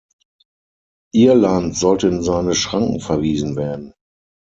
Irland sollte in seine Schranken verwiesen werden.